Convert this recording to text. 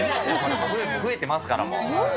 増えてますから、もう。